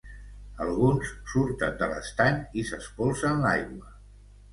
Alguns surten de l'estany i s'espolsen l'aigua.